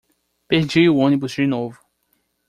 Perdi o ônibus de novo.